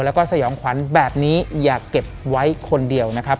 แล้วก็สยองขวัญแบบนี้อย่าเก็บไว้คนเดียวนะครับ